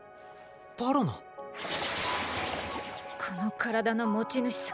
この体の持ち主さ。